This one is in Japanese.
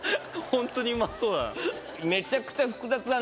本当にうまそうだな。